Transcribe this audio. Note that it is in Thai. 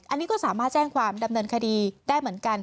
อันนี้ก็สามารถแจ้งความดำเนินคดีได้เหมือนกัน